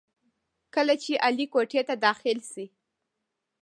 کله چې علي کوټې ته داخل شي،